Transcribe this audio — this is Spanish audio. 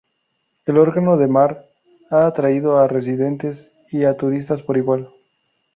El Órgano de Mar ha atraído a residentes y a turistas por igual.